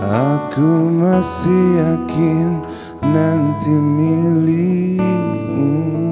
aku masih yakin nanti milikmu